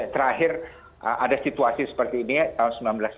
terakhir ada situasi seperti ini tahun seribu sembilan ratus sembilan puluh